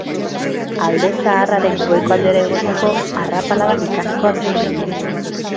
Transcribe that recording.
Alde Zaharraren goiko aldera igotzeko arrapala mekanikoak ditu.